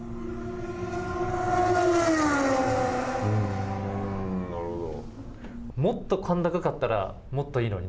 ううん、なるほど。